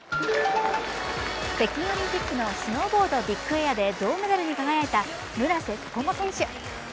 北京オリンピックのスノーボードビッグエアで銅メダルに輝いた村瀬心椛選手。